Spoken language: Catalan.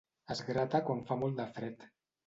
Es grata quan fa molt de fred.